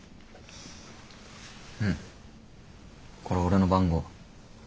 これ俺の番号。